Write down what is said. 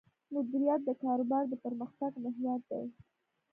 مدیریت د کاروبار د پرمختګ محور دی.